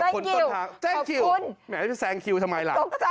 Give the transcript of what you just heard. ตกใจมาเพียงพี่ตอนนี้